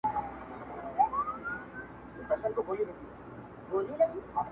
o چي مېلمه ئې سوړ سک خوري، کوربه بې څه خوري.